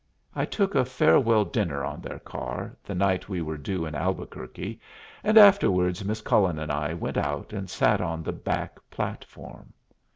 I took a farewell dinner on their car the night we were due in Albuquerque, and afterwards Miss Cullen and I went out and sat on the back platform.